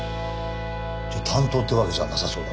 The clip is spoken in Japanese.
じゃあ担当ってわけじゃなさそうだね。